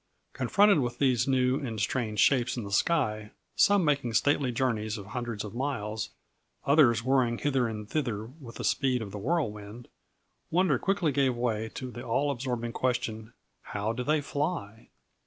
Confronted with these new and strange shapes in the sky, some making stately journeys of hundreds of miles, others whirring hither and thither with the speed of the whirlwind, wonder quickly gives way to the all absorbing question: _How do they fly?